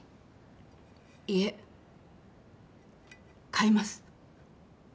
いえ買います。